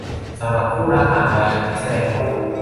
สำหรับคู่รักต่างวัยอย่างนักแสดงหนุ่ม